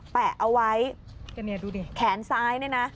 แปะเอาไว้ดูดิแขนซ้ายเนี่ยนะ